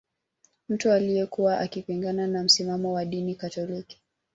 Mtu aliyekuwa akipingana na misimamo ya dini katoliki